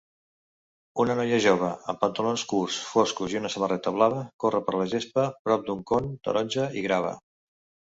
Una noia jove amb pantalons curts foscos i una samarreta blava corre per la gespa prop d"un con taronja i grava.